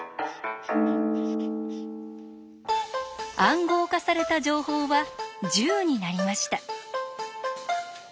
「暗号化された情報」は１０になりました。